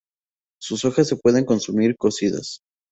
Sus hojas se pueden consumir cocidas.